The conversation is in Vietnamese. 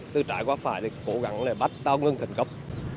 từ trái qua phải để cố gắng để bắt tàu ngưng thành công